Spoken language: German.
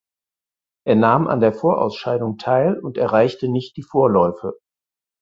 Er nahm an der Vorausscheidung teil und erreichte nicht die Vorläufe.